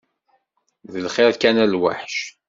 D lxir kan a lwaḥc?